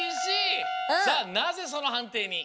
さあなぜそのはんていに？